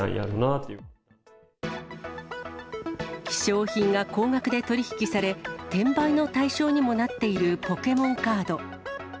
希少品が高額で取り引きされ、転売の対象にもなっているポケモンカード。